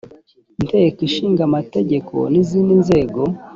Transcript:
nteko ishinga amategeko n’izindi nzego